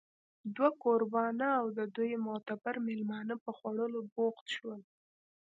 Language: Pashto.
دوه کوربانه او د دوی معتبر مېلمانه په خوړلو بوخت شول